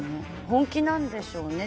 本気なんでしょうね。